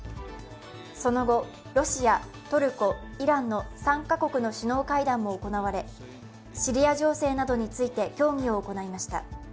その後、ロシア、トルコ、イランの３カ国の首脳会談も行われシリア情勢などについて協議を行いました。